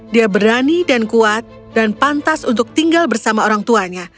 dia berani dan kuat dan pantas untuk tinggal bersama orang tuanya